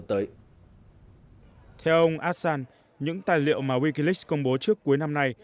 theo ông assan những tài liệu mà wikileaks công bố trước cuối năm nay